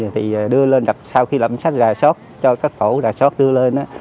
thì đưa lên sau khi lậm sách rà sót cho các tổ rà sót đưa lên